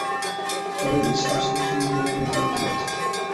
তবে এর আশে পাশেই মুসলমানরা তাঁবু ফেলে আছে।